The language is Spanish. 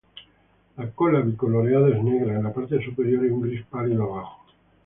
La cola bi-coloreada es negra en la parte superior y un gris pálido abajo.